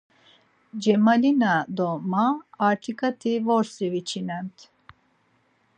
Çemalina do ma artiǩati vorsi viçinemt.